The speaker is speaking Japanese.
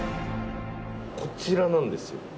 こちらなんですよ。